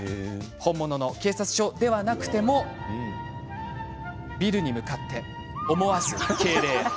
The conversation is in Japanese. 本物の警察署ではなくてもビルに向かって思わず敬礼！